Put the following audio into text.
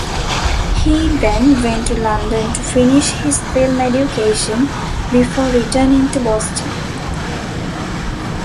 He then went to London to finish his film education before returning to Boston.